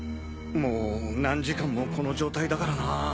もう何時間もこの状態だからな。